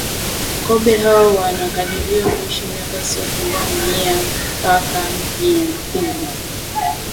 Kobe hao wanakadiriwa kuishi miaka isiyopungua mia mpaka mia mbili